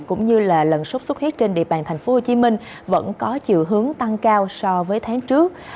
cũng như lận xuất xuất huyết trên địa bàn tp hcm vẫn có chiều hướng tăng cao so với tháng trước